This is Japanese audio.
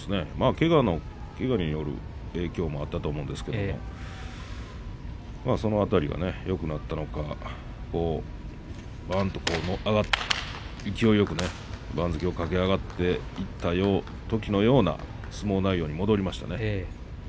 けがによる影響もあったと思うんですけれどその辺りはよくなったのかばんっと勢いよく番付を駆け上がっていったときのような相撲内容に戻りましたね。